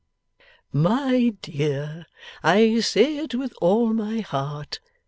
'My dear, I say it with all my heart.